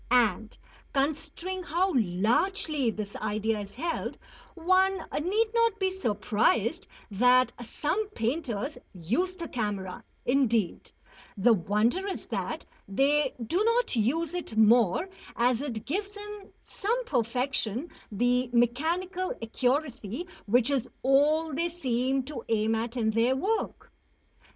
And, considering how largely this idea is held, one need not be surprised that some painters use the camera; indeed, the wonder is that they do not use it more, as it gives in some perfection the mechanical accuracy which is all they seem to aim at in their work.